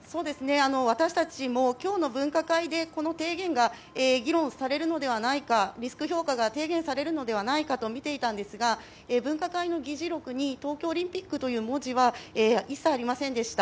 私たちも今日の分科会でこの提言が議論されるのではないかリスク評価が提言されるのではないかとみていたんですが分科会の議事録に東京オリンピックという文字は一切ありませんでした。